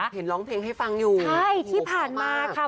เห็นร้องเพลงให้ฟังอยู่ใช่ที่ผ่านมาค่ะ